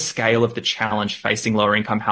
dari skala tantangan rumah tangga yang rendah